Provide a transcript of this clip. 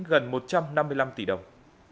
gần một trăm năm mươi năm tỷ đồng